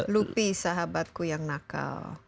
lupi sahabatku yang nakal